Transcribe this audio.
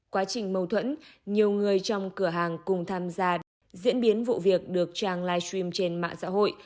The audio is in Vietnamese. quá trình mâu thuẫn nhiều người trong cửa hàng cùng tham gia diễn biến vụ việc được trang livestream trên mạng xã hội